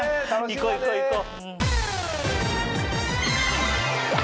行こう行こう行こう！